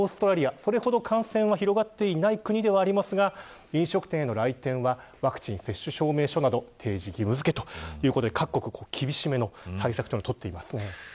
それほど感染は広がっていない国ですが飲食店への来店はワクチン接種証明書など提示義務付けなど各国厳しめの対策を取ってます。